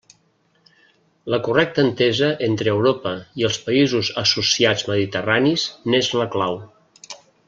La correcta entesa entre Europa i els països associats mediterranis n'és la clau.